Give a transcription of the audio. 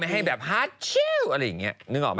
ไม่ให้แบบฮัทชิวอะไรอย่างนี้นึกออกไหม